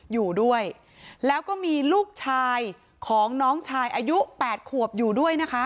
อยู่ด้วยแล้วก็มีลูกชายของน้องชายอายุ๘ขวบอยู่ด้วยนะคะ